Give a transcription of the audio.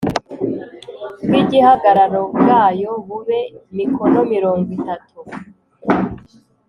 bw’igihagararo bwayo bube mikono mirongo itatu